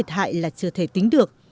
hại là chưa thể tính được